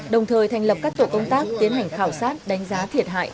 đồng thời thành lập các tổ công tác tiến hành khảo sát đánh giá thiệt hại